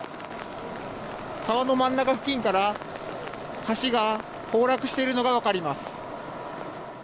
川の真ん中付近から橋が崩落しているのが分かります。